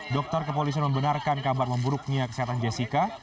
dokter kepolisian membenarkan kabar memburuknya kesehatan jessica